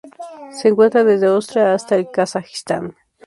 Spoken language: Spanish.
Se encuentra desde Austria hasta el Kazajistán.